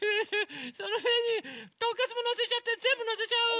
そのへんにトンカツものせちゃってぜんぶのせちゃおう！